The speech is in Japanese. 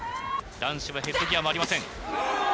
男子はヘッドギアもありません。